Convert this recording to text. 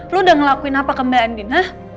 lo udah ngelakuin apa ke mbak andin